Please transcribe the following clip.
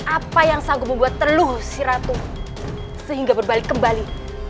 apa yang sanggup membuat teluh si ratu sehingga berbalik kembali